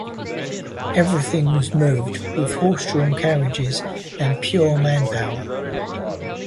Everything was moved with horse-drawn carriages and pure manpower.